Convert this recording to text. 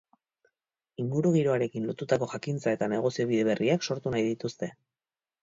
Ingurugiroarekin lotutako jakintza eta negozio bide berriak sortu nahi dituzte.